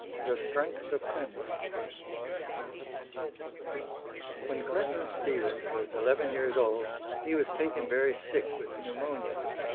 THE STRENGTH OF CLINTON When Clinton Stevens was eleven years old, he was taken very sick with pneumonia.